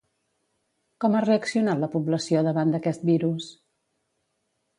Com ha reaccionat la població davant d'aquest virus?